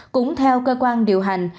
cũng theo cơ quan điều hành